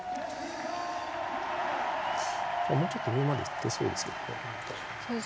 もうちょっと上までいってそうですけどね。